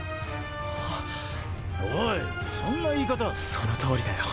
そのとおりだよ。